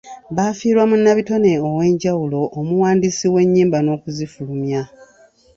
Baafiirwa munnabitone ow'enjawulo omuwandiisi w'ennyimba n'okuzifulumya.